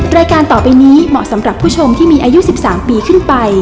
รายการต่อไปนี้เหมาะสำหรับผู้ชมที่มีอายุ๑๓ปีขึ้นไป